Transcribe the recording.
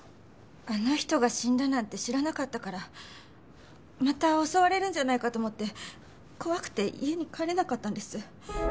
あの人が死んだなんて知らなかったからまた襲われるんじゃないかと思って怖くて家に帰れなかったんです。